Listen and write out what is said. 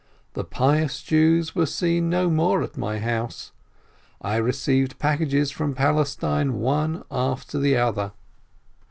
The pious Jews were seen no more at my house. I received packages from Palestine one after the other.